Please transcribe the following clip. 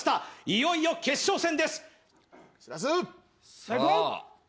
いよいよ決勝戦！